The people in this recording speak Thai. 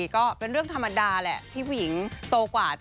ก็เป็นเรื่องธรรมดาแหละที่ผู้หญิงโตกว่า